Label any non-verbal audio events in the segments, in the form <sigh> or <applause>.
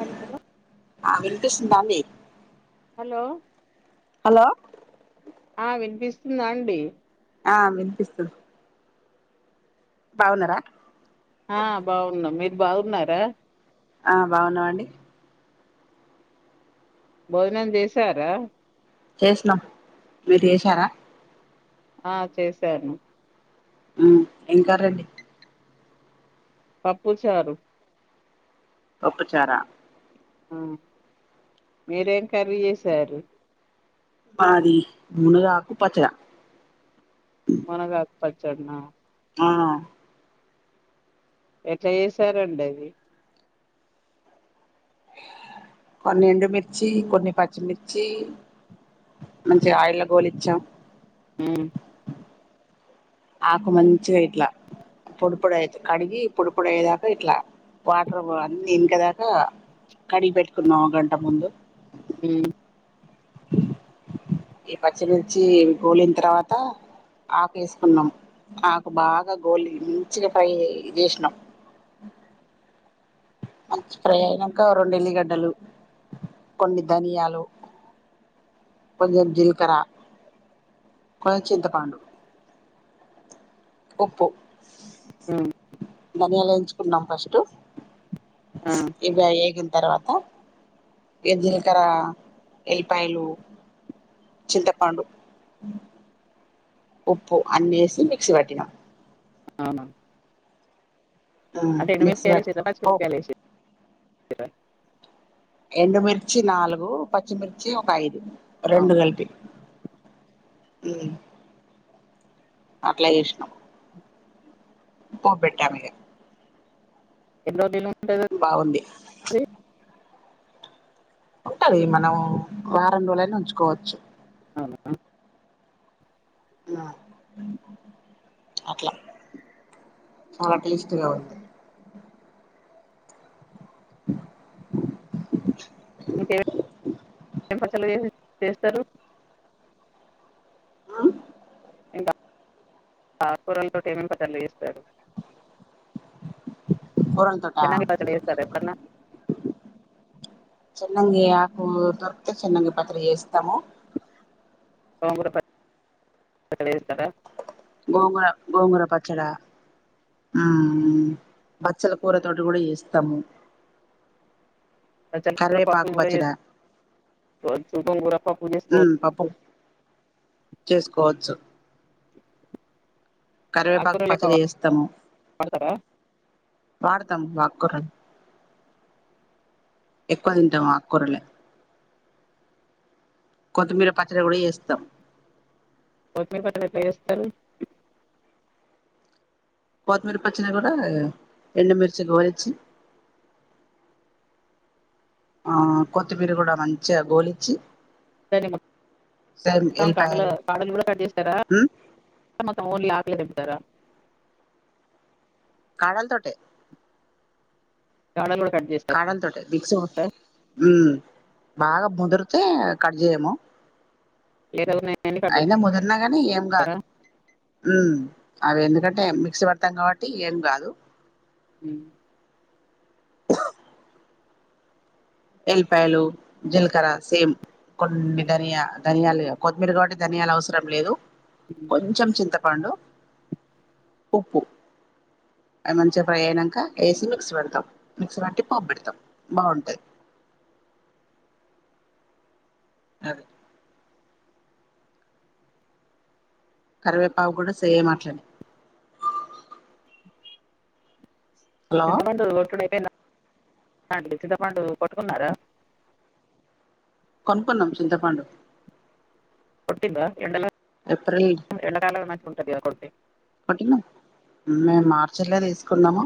Hello ఆ వినిపిస్తుందా అండి హలో హలో దండి ఆ వినిపిస్తుంది బాగున్నారా ఆ బాగున్నా మీరు బాగున్నారా ఆ బాగున్నావండి భోజనం చేసారా చేసినాం మీరు చేసారా ఆ చేశారూ ఆ ఇంకండి పప్పుచారు ఒప్పుచారా ఆ మీరేం కరీ చేసారు మాది మూనుగాకు పచ్చడ మన గాకు పచ్చడనా ఆ ఎట్లా చేసారండి అది కొన్ని ఎండుమిర్చి కొన్ని పచ్చిమిర్చి మంచిగ ఆయిలో గోలిచ్చాం ఊ ఆకు మంచిగా ఇట్లా పొడి పొడి ఐతే కడిగి పొడి పొడయ్యేదాకా ఇట్లా వాటర్ అన్నీ ఇనుకదాకా కడిగి పెట్టుకున్నాం ఒక గంట ముందు ఊ ఈ పచ్చిమిర్చి గోలిన తర్వాత ఆకు ఏసుకున్నాం ఆకు బాగా గోలి మంచిగా ఫ్రై చేసినం మంచి ఫ్రై అయినాక రెండు ఎల్లిగడ్డలు కొన్ని ధనియాలు కొంచెం జీలకర్ర కొంచెం చింతపండు ఉప్పు ఊ ధనియాలేయించుకున్నాం ఫస్ట్ ఆ ఇవ ఏగిం తర్వాత జీలకర్ర ఎల్లిపాయలు చింతపండు ఉప్పు అన్ని వేసి మిక్సీ పట్టినాం అవునా అంటే మిక్సీ ఎండుమిరపకాయ లేసి పట్టి తర్వాత పచ్చిమిరపకాయ లేేసి <unintelligible> ఎండుమిర్చి నాలుగు పచ్చిమిర్చి ఒక ఐదు రెండు అవునా కలిపి అట్లా ఇష్టం పోపు బెట్టాములె ఎన్నో దినం బావుంది ఉంటాది మనం వారం రోజులైనా ఉంచుకోవచ్చు అవునా ఆ అట్లా చాలా టేస్ట్ గా ఉంది ఇంకేం పెంపచలు చేస్తరు ఆ ఇంకా ఆకుకూరలతోటి ఏమేం పచ్చళ్ళు చేస్తారు కూరల తోట చిన్నంగి పచ్చడి చేస్తారా ఎప్పుడన్నా చిన్నంగి ఆకు దొరికితే చిన్నంగి పచ్చడి చేస్తాము <unintelligible> స్తారా గోంగూర గోంగూర పచ్ ఇక్కడ ఊ ఊ బచ్చల కూర తోటి కూడా చేస్తము ఆ <unintelligible> పప్పు కూడా చేసుకోవచ్చు చికెన్ కూడా పప్పు మ్మ్ చేసుకోవచ్చు పప్పు చేసుకోవచ్చు కర్వేపాకు ఆకుకూర లెక్క పచ్చడి చేస్తాము వాడతారా వాడతాం ఆకుకూరలు ఎక్కువ తింటాం ఆకుకూరలే కొతిమీర పచ్చడి కూడా చేస్తాం కొత్తిమీర పచ్చడి ఎట్ల చేస్తారు కొత్తిమీర పచ్చడి కూడా ఎండమిర్చి గోలిచ్చి ఆ కొత్తిమీర కూడా మంచిగా గోలిచ్చి సరే సేమ్ మత్త కాడలు ఎల్లిపాయలు కాడలు కూడా కట్ చేస్తారా ఉమ్ మొత్తం ఊన్లి ఆక్లేదు ఇతారా కాడాల తోటే కాడలు కట్ చేస్తారా కాడాల తోటే ఉమ్ బాగా ముదిర్తే కట్ చేయము లేదా ఉన్నాయని కట్ అయినా ముదిరిన కానీ ఏం చేస్తారా కాదు అవి ఎందుకంటే మిక్స్ పడతాం కాబట్టి ఏం కాదు ఉమ్ ఎల్లిపాయలు జీలకర్ర సేమ్ కొన్ని ధనియా ధనియాలు కొత్మర కాబట్టి ధనియాలు అవసరం లేదు ఉమ్. కొంచం చింత పండు ఉప్పు అవి మంచిగా ఫ్రై అయినాక వేసి మిక్సీ పెడతాం మిక్సీ పెట్టి పాప్పు పెడతాం బాగుంటది. అదే కరివేపావు కూడా సేమ్ అట్లనే హలో చింత పండు కొట్టుడు అయిపోయిందా అండి చింతపండు కొట్టుకున్నారా కొనుకున్నాం చింతపండు కొట్టిండా ఎండల ఏప్రిల్ ఉంటది కదా కొడితే కొటినా మేము మార్చిల్లో తీసుకున్నాము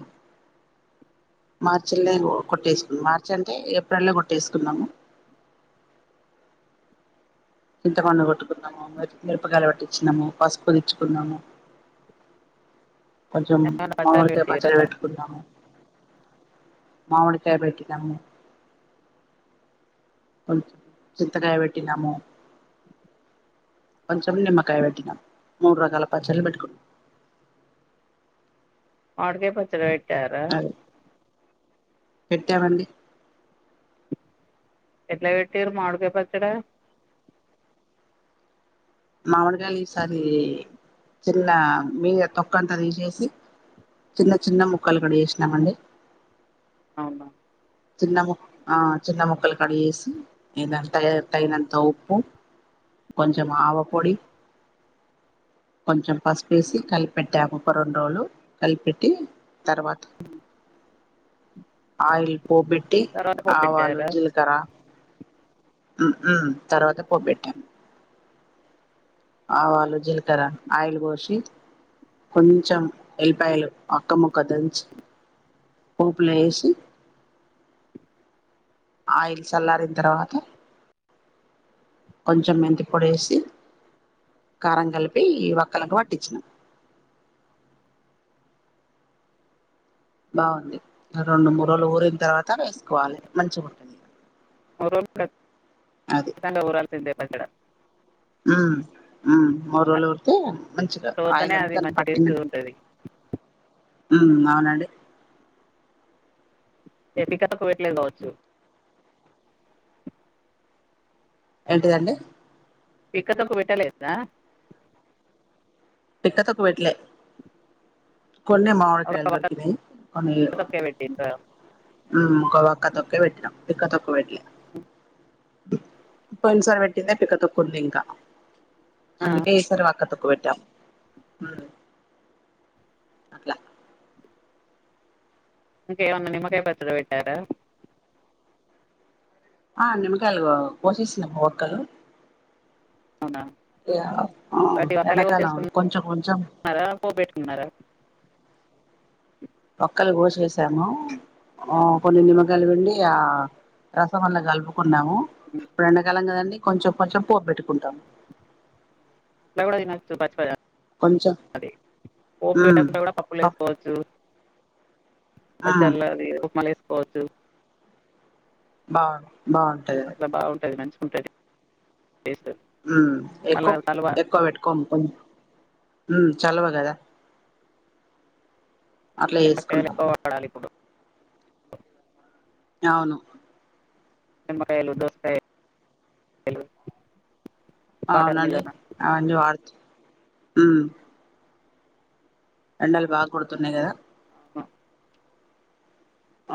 మార్చిల్లో కొట్టేసుకున్నాం మార్చి అంటే ఏప్రిల్లో కొట్టేసుకున్నాము. చింతపండు కొట్టుకున్నాము మ మిరపకాయల పట్టించినము పసుపు తెచ్చుకున్నాము కొంచెం ఏమైనా పచ్చళ్ళు మామిడికాయ పెట్టారా పచ్చడి పెట్టుకున్నాము మామిడికాయ పెట్టినము కొంచం చింతకాయ పెట్టినాము కొంచెం నిమ్మకాయ పెట్టినాము మూడు రకాల పచ్చళ్ళ పెట్టుకున్నా మామిడికాయ పచ్చడ చారా పెట్టావండి ఎట్లా పెట్టిండు మామిడికాయ పచ్చడ మామిడి కాయలు ఈసారి చిన్న మీద తొక్క అంతా తీసేసి చిన్న చిన్న ముక్కలు కట్ చేసినామండి. అవును చిన్న చిన్న ముక్కలు కడిగేసి ఏద తగినంత ఉప్పు కొంచెం ఆవపొడి కొంచెం పసుపేసి కలిపెట్టా ముప్ప రెండు రోజులు కలిపెట్టి తర్వాత ఆయిల్ పోపెట్టి తర్వాత పొప్పు ఆవాలు పెట్టారా జీలకర్ర హు హ్మ్మ్ తర్వాత పోబెట్టాను ఆవాలు జీలకర ఆయిలు పోసి కొంచెం ఎలిపాయలు అక్క ముక్క దంచి పోపులు వేసి ఆయిల్ చల్లారిన తర్వాత కొంచెం మెంతి పొడేసి కారం కలిపి ఈ వక్కలకు పట్టించినాం బాగుంది రెండు మూడు రోజులు ఊరిన తర్వాత వేసుకోవాలి మంచిగా ఉంటుంది మూరు రోజులు ఖచ్చితంగా ఉరాలి ఇదే పెట్టడ హ్మ్ మూడు రోజలు ఊరితే మంచిగా ఆయిల తోతనే అంత అది దానికి మంచి పట్టిన టేస్ట్ ఉంటది ఉ అవునండి ఎతికకు పెట్లే కావచ్చు ఏంటిదండి పిక్కతొక్క పెట్టలేదా పిక్కతొక్కు పెట్టలే కొన్ని ఒక మామిడికాయలు వక్క దొరికినాయి కొన్ని తొక్కే పెట్టిండ్రా ఒక ఒక్క తొక్కే పెట్టినాం పిక్క తొక్క్క పెట్లే పోయిన సారి పెట్టిందే పిక్క తొక్కు ఉంది ఇంకా ఆ అందుకే ఈసారి వక్క తోక్కు పెట్టాం అట్లా ఇంకా ఏమైనా నిమ్మకాయ పచ్చడి పెట్టారా ఆ నిమ్మకాయలు పోసేసిన ఒక్కలు అవునా వాటి వక్కలే వెనకాల కోసేసుకున్నారా కొంచం కొంచం పోపు పెట్టుకున్నారా ఒక్కలు కోసేసాము ఆ కొన్ని నిమ్మకాయలు పిండి ఆ రసం అల్ల కలుపుకు న్నాము ఉమ్, ఇప్పుడు ఎండాకాలం కదండి కొంచెం కొంచెం పోపు పెట్టుకుంటాము అట్ల కూడా తినొచ్చు పచ్చిపద కొంచెం అదే పోపు ఉమ్ పెట్టకుండా కూడా పప్పులు పప్ వేసుకోవచ్చు ఉమ్ పచ్చల ది ఉప్మా కొచ్చు బఆ అట్లా బాగుంటది మంచి ఉంటది టేస్ట్ మళ్ళా ఎక్కు సలువ ఎక్కువ పెట్టుకో కొంచెం హ్మ్ చలువ కదా అట్లా నిమ్మకాయలు చేసుకుంటాం ఎక్కువ పడాలి ఇప్పుడు అవును నిమ్మకాయలు దోసకాయలు వాటర్ అవునండి మిల్లన్ అవన్నీ హ్మ్ ఎండలు బాగా కొడుతున్నాయి కదా ఉ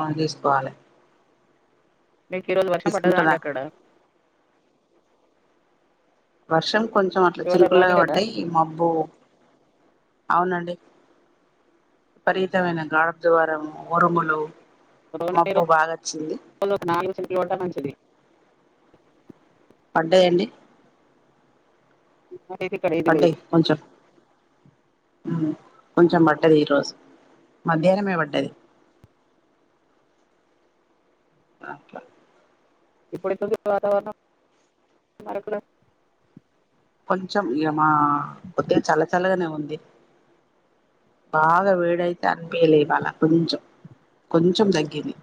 అవును తీసుకోవాలే మీకు ఈ రోజు వర్షం పడ్డదా అండి అక్కడ వర్షం కొంచెం అట్ల ఇవాళ రోని చినుకులాగా కదా పడ్డాయి మబ్బు అవునండి విపరీతమైన గాద్వరము ఉరుములు మబ్బు బాగాచ్చింది లు పడతన్నాయంటివి పడ్డాయండి హు ఐతే ఇక్కడేంది లేదు హు కొంచెం పడ్డది ఈరోజు మధ్యాహ్నమే పడ్డది అట్ల ఇప్పుడెట్లుంది వాతావరణం ఆరకుల కుంచెం ఇయ ఆ కొద్దీగ చల్ల చల్లగానే ఉంది బాగా వేడైతే అనిపియలే ఇవాళ కొంచెం కొంచెం తగ్గింది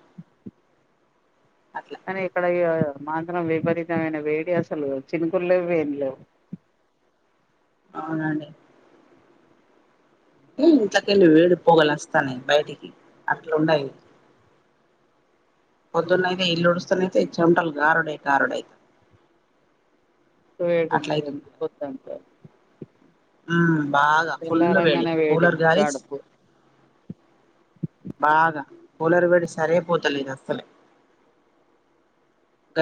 అట్లా అనిక్కడ ఇగ మాత్రం విపరీతమైన వేడి అసలు చినుకుళ్లు వేన్లేవు అవునండి ఏ ఇంట్లోకెళ్లి వేడి పోగలు వస్తాన్నాయి బయటికి అట్లున్నాయి పొద్దున్నయితే ఇల్లుడుస్తానైతే చెమటలు కారుడే కారుడే వేడుంటాది పొద్దంట హు బాగా ఫుల్ వేడి తెల్లారంగానే కూలర్ గ్యారస్ గడుపు బాగా కూలర్ వేడి సరే పోతలేద్ అసలే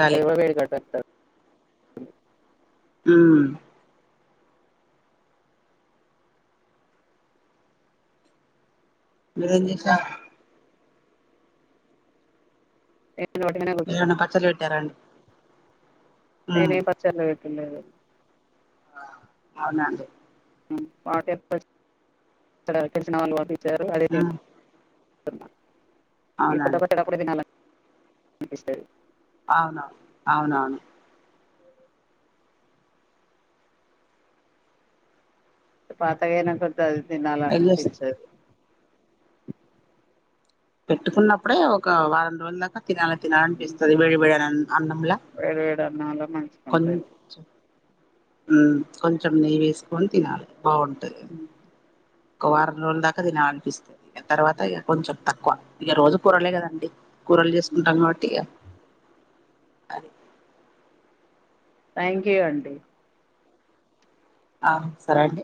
అదే వ వేడి కట్ట హు మీరెమ్ చేసారు నేను వట్టిగనే ఏమైనా పచ్చడి పెట్టారండి ఉమ్ నేనే పచ్చడిలు పెట్ పెట్టలేదు ఆ అవునా అండి పాటేసిన తేలిసినవాళ్ళు అ తెచ్చారు అడిగీ ఉమ్ పే అవునండి ఎప్పుడది అప్పుడే తినాల ఈ సైడ్ అవునవును అవునవును పాతగాఇన కొద్ది అది తినాల ఏం చేస్ అనిపించదు పెట్టుకున్నప్పుడే ఒక వారం రోజుల దాకా తినాలి తినాలినిపిస్తుంది వేడి వేడి అన్నంలా వేడి వేడి అన్నంలో మంచిగుంటది కొంచెం కొంచెం నెయ్యి వేసుకొని తినాలి బాగుంటది ఒక వారం రోజుల దాకా తినాలని ఆనిపిస్తది తర్వాత ఇక కొంచెం తక్కువ ఇక రోజు కూరలే కదండి కూరలు చేసుకుంటాం కాబట్టి అదె థ్యాంక్ యూ అండి ఆ సరే అండి